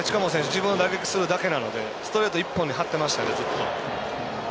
自分の打撃をするだけなのでストレート一本に張ってましたね。